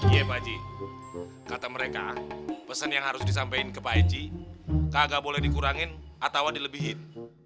iya pak haji kata mereka pesen yang harus disampein ke pak haji kagak boleh dikurangin atau dilebihin